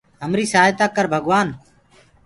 همريٚ سآهتآ ڪر ڀگوآن